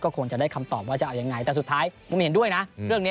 คงจะได้คำตอบว่าจะเอายังไงแต่สุดท้ายผมเห็นด้วยนะเรื่องนี้